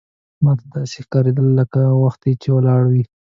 ماته داسې ښکارېدل لکه وخت چې ولاړ وي.